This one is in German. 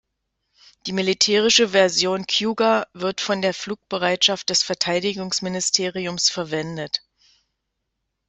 Die militärische Version „Cougar“ wird von der Flugbereitschaft des Verteidigungsministeriums verwendet.